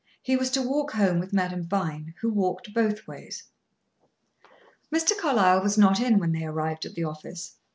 He was to walk home with Madame Vine, who walked both ways. Mr. Carlyle was not in when they arrived at the office.